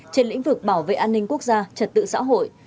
trên lĩnh vực bảo vệ an ninh quốc gia trật tự xã hội